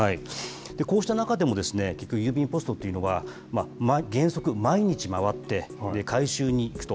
こうした中でも結局、郵便ポストっていうのは、原則毎日回って回収に行くと。